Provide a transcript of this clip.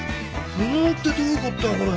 「不能」ってどういうこったよこれ。